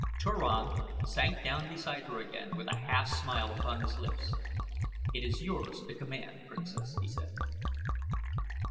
Turan sank down beside her again with a half smile upon his lips. "It is yours to command, Princess," he said.